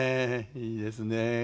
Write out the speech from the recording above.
いいですね。